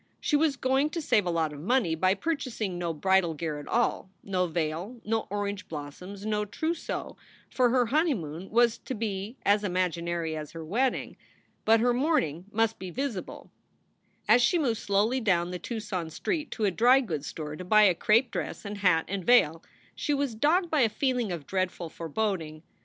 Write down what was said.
She was going to save a lot of money by purchasing no bridal gear at all, no veil, no orange blos soms, no trousseau, for her honeymoon was to be as imag inary as her wedding. But her mourning must be visible. As she moved slowly down the Tucson street to a dry goods store to buy a crape dress and hat and veil, she was dogged by a feeling of dreadful foreboding.